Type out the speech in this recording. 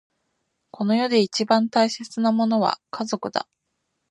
この世で一番大切なものは家族だ。